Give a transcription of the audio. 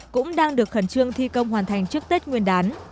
cũng đang được khẩn trương thi công hoàn thành trước tết nguyên đán